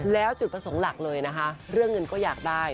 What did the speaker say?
แล้วจุดประสงค์หลักเลยนะคะเรื่องเงินก็อยากได้